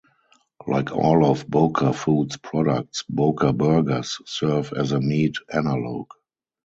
Like all of Boca Foods' products, Boca Burgers serve as a meat analogue.